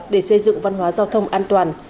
để xây dựng văn hóa giao thông an toàn